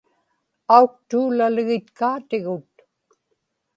auktuulalgitkaatigut